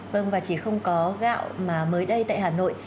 vâng và chỉ không có gạo mà mới đây tại hà nội